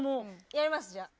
やりますじゃあ。